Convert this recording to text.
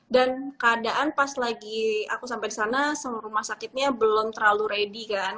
dan keadaan pas lagi aku sampai disana semua rumah sakitnya belum terlalu ready kan